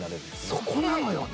そこなのよね。